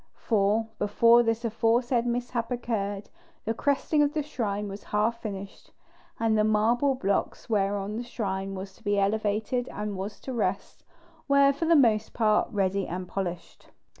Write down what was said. For before this aforesaid mishap occurred, the cresting of the shrine was half finished, and the marble blocks whereon the shrine was to be elevated and was to rest, were for the most part ready and polished.